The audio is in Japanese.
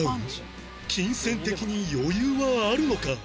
金銭的に余裕はあるのか？